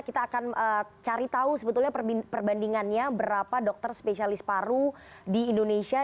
kita akan cari tahu sebetulnya perbandingannya berapa dokter spesialis paru di indonesia